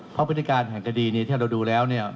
เพราะพิธีการแห่งคดีที่เราดูแล้วเนี่ย